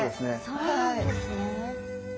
そうなんですね。